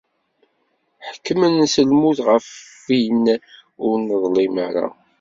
Ḥekkmen s lmut ɣef win ur neḍlim ara.